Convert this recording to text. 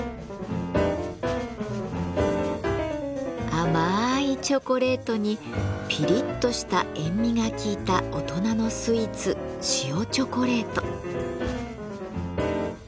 甘いチョコレートにピリッとした塩味が効いた大人のスイーツ「塩チョコレート」。